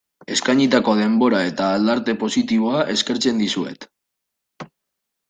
Eskainitako denbora eta aldarte positiboa eskertzen dizuet.